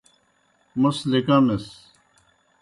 موْس لِکَمِس۔